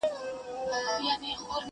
سر دي و خورم که له درده بېګانه سوم,